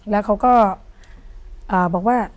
แล้วเขาก็บอกว่า